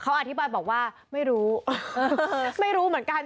เขาอธิบายบอกว่าไม่รู้ไม่รู้เหมือนกัน